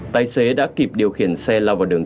tài xế đã kịp điều khiển xe lao vào đường